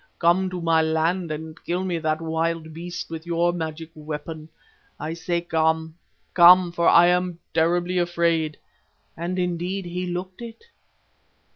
Come to my land and kill me that wild beast with your magic weapon. I say, Come, Come, for I am terribly afraid,' and indeed he looked it.